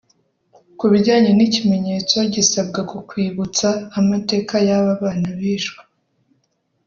Ku bijyanye n’ikimenyetso gisabwa ku kwibutsa amateka y’aba bana bishwe